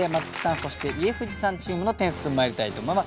そして家藤さんチームの点数まいりたいと思います。